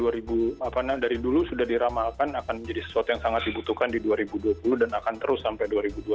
dari dulu sudah diramalkan akan menjadi sesuatu yang sangat dibutuhkan di dua ribu dua puluh dan akan terus sampai dua ribu dua puluh empat